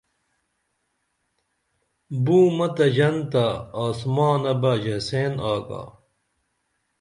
بُومہ تہ ژنتہ آسمانہ بہ ژنسین آگا